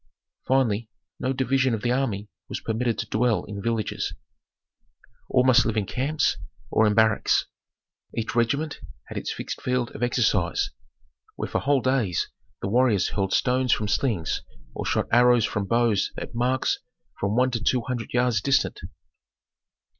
Finally, no division of the army was permitted to dwell in villages, all must live in camps or in barracks. Each regiment had its fixed field of exercise, where for whole days the warriors hurled stones from slings or shot arrows from bows at marks from one to two hundred yards distant.